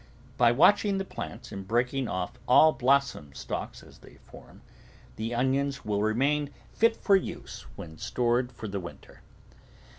By watching the plants and breaking off all blossom stalks as they form, the onions will remain fit for use when stored for the winter.